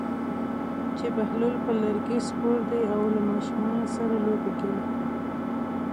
چې بهلول پر لرګي سپور دی او له ماشومانو سره لوبې کوي.